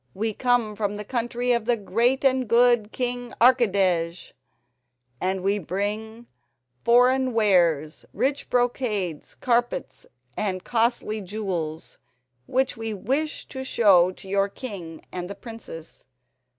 We come from the country of the great and good King Archidej, and we bring foreign wares—rich brocades, carpets, and costly jewels, which we wish to show to your king and the princess.